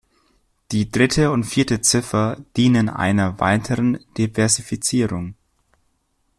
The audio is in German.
Die dritte und vierte Ziffer dienen einer weiteren Diversifizierung.